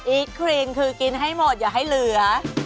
ครีนคือกินให้หมดอย่าให้เหลือ